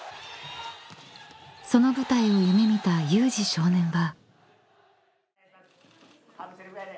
［その舞台を夢見た有志少年は］